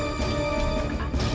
nih ini udah gampang